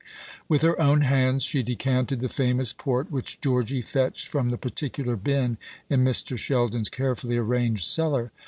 With her own hands she decanted the famous port which Georgy fetched from the particular bin in Mr. Sheldon's carefully arranged cellar.